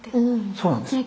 そうなんです。